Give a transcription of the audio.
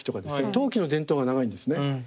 陶器の伝統が長いんですね。